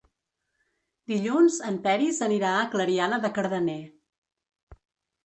Dilluns en Peris anirà a Clariana de Cardener.